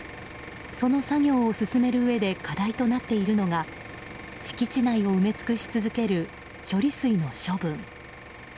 その作業を進めるうえで課題となっているのが敷地内を埋め尽くし続ける処理水の処分。